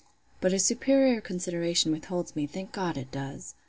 But a superior consideration withholds me; thank God, it does!